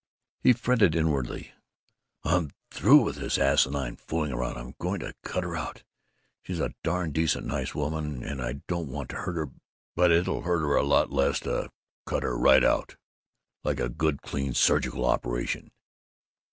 He fretted inwardly, "I'm through with this asinine fooling around. I'm going to cut her out. She's a darn decent nice woman, and I don't want to hurt her, but it'll hurt a lot less to cut her right out, like a good clean surgical operation."